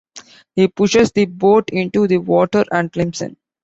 He pushes the boat into the water and climbs in.